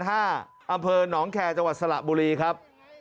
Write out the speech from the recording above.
อำเภอหนองแคร์จังหวัดสระบุรีครับ